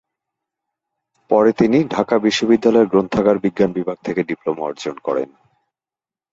পরে তিনি ঢাকা বিশ্ববিদ্যালয়ের গ্রন্থাগার বিজ্ঞান বিভাগ থেকে ডিপ্লোমা অর্জন করেন।